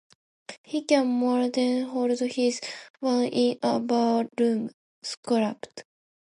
He can more than hold his own in a bar-room scrap.